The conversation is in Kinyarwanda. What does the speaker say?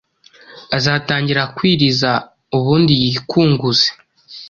azatangira kwiriza ubundi yikunguze